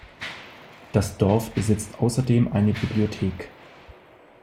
Das Dorf besitzt außerdem eine Bibliothek.